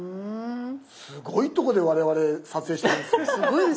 すごいとこで我々撮影してますね。